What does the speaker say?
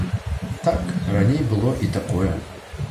Так, раней было і такое.